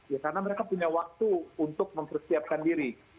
ya karena mereka punya waktu untuk mempersiapkan diri